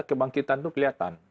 kebangkitan itu kelihatan